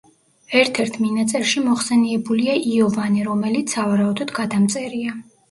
ერთ-ერთ მინაწერში მოხსენიებულია იოვანე, რომელიც, სავარაუდოდ, გადამწერია.